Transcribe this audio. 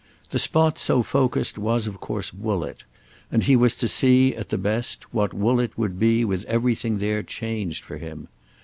The spot so focussed was of course Woollett, and he was to see, at the best, what Woollett would be with everything there changed for him.